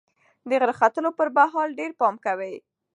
د غره ختلو پر مهال ډېر پام کوئ.